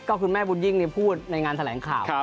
ก็คือแม่บุญยิ่งพูดในงานแสหร่างข่าว